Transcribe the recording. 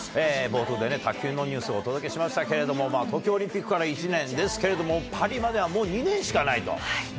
冒頭で卓球のニュースをお届けしましたけれども、東京オリンピックから１年ですけれども、パリまではもう２年しかないと。